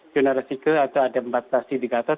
jodoh risiko atau ada empat indikator